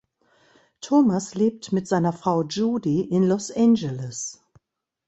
Thomas lebt mit seiner Frau Judy in Los Angeles.